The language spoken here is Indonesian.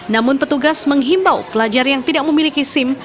namun petugas menghimbau pelajar yang tidak memiliki sim